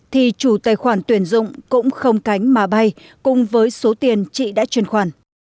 thì chủ tài khoản tuyển dụng cũng không cánh mà bay cùng với số tiền chị đã truyền khoản